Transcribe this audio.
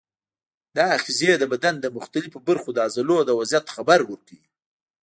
دا آخذې د بدن د مختلفو برخو د عضلو د وضعیت خبر ورکوي.